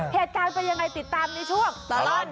เหตุการณ์เป็นยังไงติดตามในช่วงตลอด